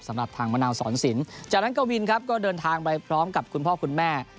สำหรับทางมะนาวสอนสินจากนั้นกวินครับก็เดินทางไปพร้อมกับคุณพ่อคุณแม่